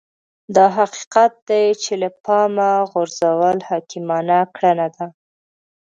دا حقيقت دی چې له پامه غورځول حکيمانه کړنه ده.